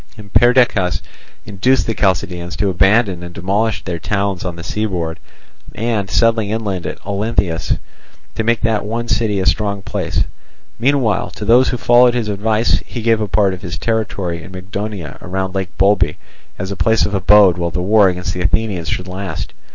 And Perdiccas induced the Chalcidians to abandon and demolish their towns on the seaboard and, settling inland at Olynthus, to make that one city a strong place: meanwhile to those who followed his advice he gave a part of his territory in Mygdonia round Lake Bolbe as a place of abode while the war against the Athenians should last.